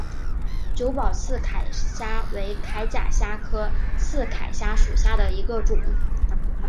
久保刺铠虾为铠甲虾科刺铠虾属下的一个种。